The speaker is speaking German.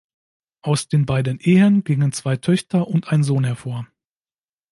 Aus den beiden Ehen gingen zwei Töchter und ein Sohn hervor.